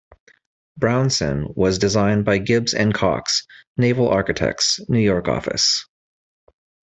"Brownson" was designed by Gibbs and Cox, Naval Architects, New York office.